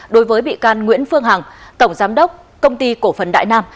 đối với bị can nguyễn phương hằng tổng giám đốc công ty cổ phần đại nam